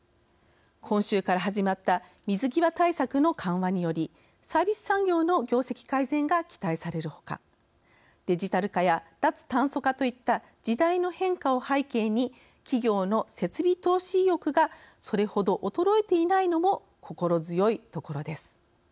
今週から始まった水際対策の緩和によりサービス産業の業績改善が期待される他デジタル化や脱炭素化といった時代の変化を背景に企業の設備投資意欲がそれほど衰えていないのも心強いところです。